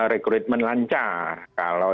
rekrutmen lancar kalau